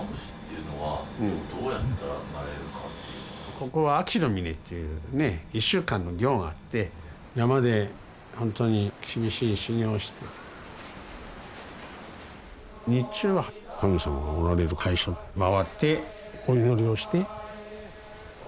ここは秋の峰というね１週間の行があって山で本当に厳しい修行をして日中は神様がおられる拝所を回ってお祈りをして。